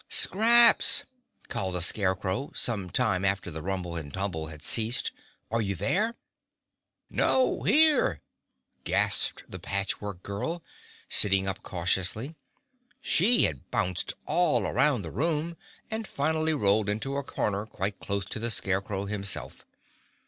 "Scraps!" called the Scarecrow, sometime after the rumble and tumble had ceased, "are you there?" "No, here!" gasped the Patch Work Girl, sitting up cautiously. She had bounced all around the room and finally rolled into a corner quite close to the Scarecrow himself.